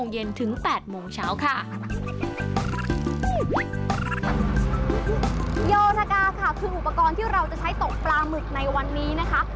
โยธกาค่ะคืออุปกรณ์ที่เราจะใช้ตกปลาหมึกในวันนี้นะคะ